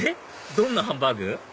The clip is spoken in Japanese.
どんなハンバーグ？